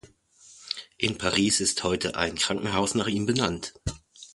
In Paris ist heute ein Krankenhaus nach ihm benannt.